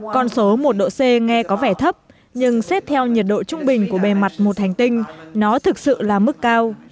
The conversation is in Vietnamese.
con số một độ c nghe có vẻ thấp nhưng xét theo nhiệt độ trung bình của bề mặt một hành tinh nó thực sự là mức cao